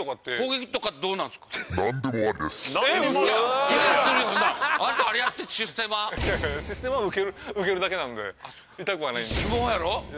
そのシステマは受けるだけなんで痛くはない相撲やろ